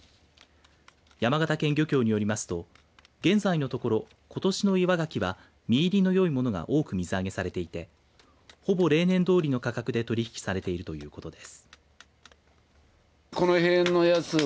山形県漁協によりますと現在のところ、ことしの岩ガキは身入りのよいものが多く水揚げされていてほぼ例年どおりの価格で取引されているということです。